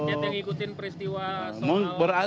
rakyat yang ikutin peristiwa